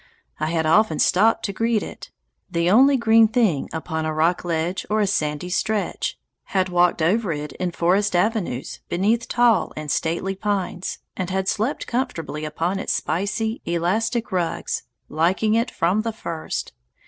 I had often stopped to greet it, the only green thing upon a rock ledge or a sandy stretch, had walked over it in forest avenues beneath tall and stately pines, and had slept comfortably upon its spicy, elastic rugs, liking it from the first.